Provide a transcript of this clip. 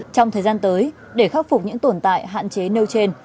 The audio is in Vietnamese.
trong thời gian tới để khắc phục những tồn tại hạn chế nêu trên